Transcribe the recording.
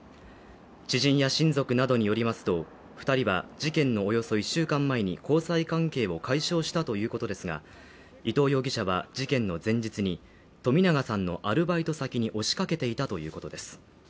知人や親族などによりますと、２人は事件のおよそ１週間前に交際関係を解消したということですが、伊藤容疑者は事件の前日に冨永さんのアルバイト先に押しかけていたということです